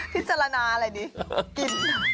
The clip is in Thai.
พิจารณาอะไรดีกิน